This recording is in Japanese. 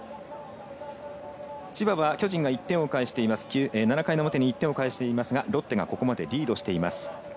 千葉は巨人が７回の表に１点を返していますがロッテがここまでリードしています。